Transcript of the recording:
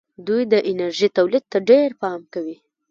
دوی د انرژۍ تولید ته ډېر پام کوي.